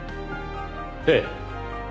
ええ。